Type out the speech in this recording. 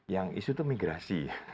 yang isu itu migrasi